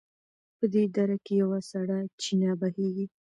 په دې دره کې یوه سړه چینه بهېږي.